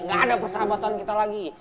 gak ada persahabatan kita lagi